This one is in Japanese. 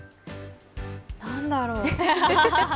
何だろう。